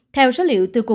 theo số liệu từ cục quản lý